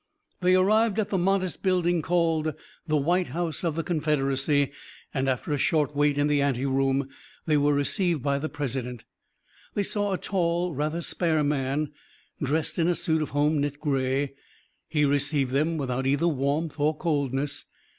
They arrived at the modest building called the White House of the Confederacy, and, after a short wait in the anteroom, they were received by the President. They saw a tall, rather spare man, dressed in a suit of home knit gray. He received them without either warmth or coldness.